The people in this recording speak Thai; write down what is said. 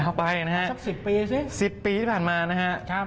ยาวไปหรือเปล่าสัก๑๐ปีสิที่ผ่านมานะครับ